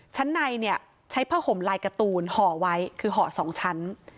ชั้นในเนี่ยใช้ผ้าห่มลายการ์ตูนห่อไว้คือห่อ๒ชั้น